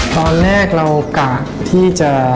ตอนแรกเรากะที่จะ